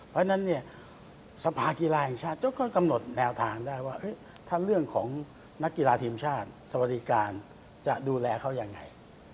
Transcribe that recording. เพราะฉะนั้นเนี่ยสภากีฬาแห่งชาติก็กำหนดแนวทางได้ว่าถ้าเรื่องของนักกีฬาทีมชาติสวัสดิการจะดูแลเขายังไง